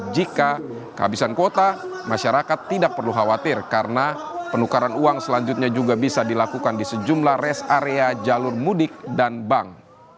jika kehabisan kuota masyarakat tidak perlu khawatir karena penukaran uang selanjutnya juga bisa dilakukan di sejumlah rest area jalur mudik dan bank